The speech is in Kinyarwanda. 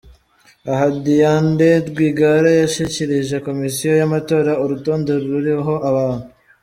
Aha Diande Rwigara yashyikirije Komisiyo y’amatora urutonde ruriho abantu